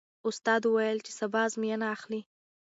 استاد وویل چې سبا ازموینه اخلي.